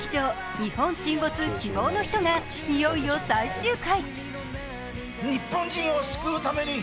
「日本沈没−希望のひと−」がいよいよ最終回。